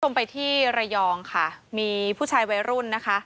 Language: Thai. ไปที่ระยองค่ะมีผู้ชายวัยรุ่นนะคะ